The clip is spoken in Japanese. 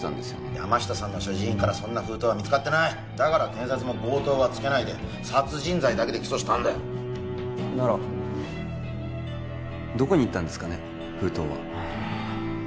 山下さんの所持品からそんな封筒は見つかってないだから検察も「強盗」はつけないで殺人罪だけで起訴したんだよならどこに行ったんですかね封筒は？